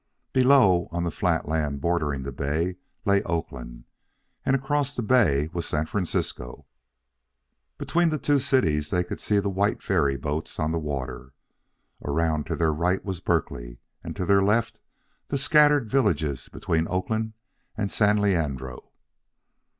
Below, on the flat land bordering the bay, lay Oakland, and across the bay was San Francisco. Between the two cities they could see the white ferry boats on the water. Around to their right was Berkeley, and to their left the scattered villages between Oakland and San Leandro.